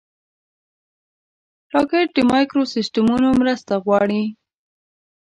راکټ د مایکروسیسټمونو مرسته غواړي